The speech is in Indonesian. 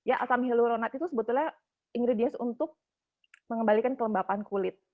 asam hyaluronat itu sebetulnya ingredients untuk mengembalikan kelembapan kulit